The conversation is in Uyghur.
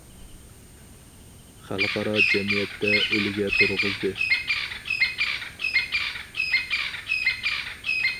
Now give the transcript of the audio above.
خەلقئارا جەمئىيەتتە ئۈلگە تۇرغۇزدى.